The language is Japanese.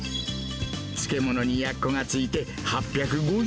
漬物にやっこが付いて、８５０円。